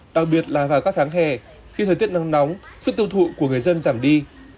đặc biệt là vào các tháng hè khi thời tiết nắng nóng sức tiêu thụ của người dân giảm đi